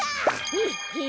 ヘッヘ。